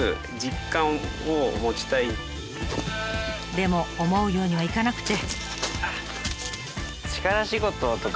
でも思うようにはいかなくて。